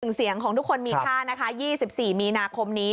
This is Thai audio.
เสียงของทุกคนมีค่านะคะ๒๔มีนาคมนี้